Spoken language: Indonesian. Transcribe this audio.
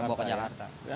saya bawa ke jakarta